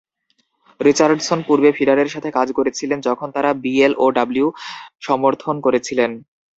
Richardson পূর্বে ফিডারের সাথে কাজ করেছিলেন যখন তারা বি.এল.ও.ডব্লিউ. সমর্থন করেছিল।